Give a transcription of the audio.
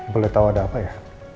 boleh tahu ada apa ya